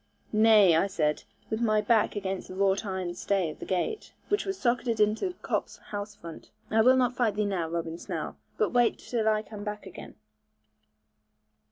'Nay,' I said, with my back against the wrought iron stay of the gate, which was socketed into Cop's house front: 'I will not fight thee now, Robin Snell, but wait till I come back again.'